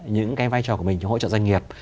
những cái vai trò của mình thì hỗ trợ doanh nghiệp